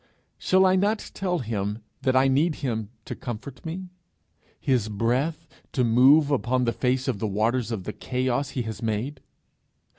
Shall I not tell him that I need him to comfort me? his breath to move upon the face of the waters of the Chaos he has made?